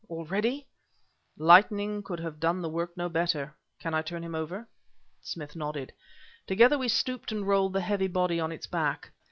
already?" "Lightning could have done the work no better. Can I turn him over?" Smith nodded. Together we stooped and rolled the heavy body on its back.